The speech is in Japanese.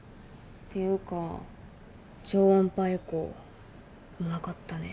っていうか超音波エコーうまかったね。